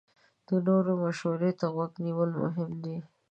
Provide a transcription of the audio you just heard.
د نورو مشورې ته غوږ نیول مهم دي.